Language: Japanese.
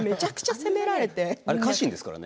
とあれは家臣ですからね。